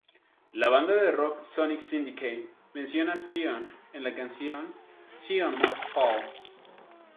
La banda de rock Sonic syndicate menciona Sion en la canción ""Zion must fall"".